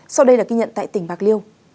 sau đây là kinh nhận tại tỉnh bạc liêu